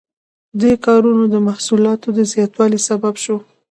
دې کارونو د محصولاتو د زیاتوالي سبب شو.